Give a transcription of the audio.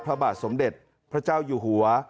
พระบาทสมเด็จพระเจ้าอยู่หัว